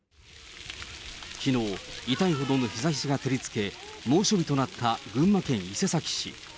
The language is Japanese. きのう、痛いほどの日ざしが照りつけ、猛暑日となった群馬県伊勢崎市。